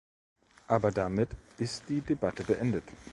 Aber damit ist die Debatte beendet.